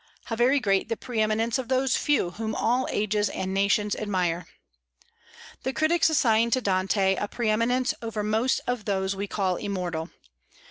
How very great the pre eminence of those few whom all ages and nations admire! The critics assign to Dante a pre eminence over most of those we call immortal.